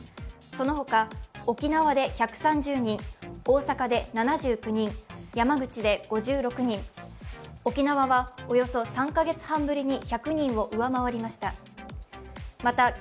そのほか沖縄で１３０人、大阪で７９人、山口で５６人、沖縄はおよそ３カ月半ぶりに１００人を上回りました。